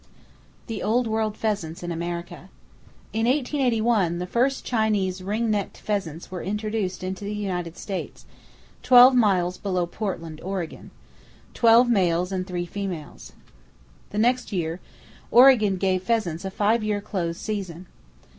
The Old World Pheasants In America. —In 1881 the first Chinese ring necked pheasants were introduced into the United States, twelve miles below Portland, Oregon; twelve males and three females. The next year, Oregon gave pheasants a five year close season.